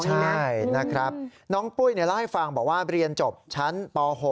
ใช่นะครับน้องปุ้ยเล่าให้ฟังบอกว่าเรียนจบชั้นป๖